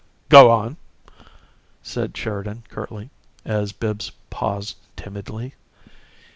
"Go on," said Sheridan, curtly, as Bibbs paused timidly.